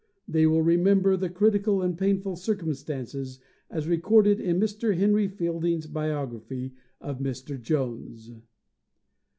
They will remember the critical and painful circumstances as recorded in Mr. Henry Fielding's biography of Mr. Jones.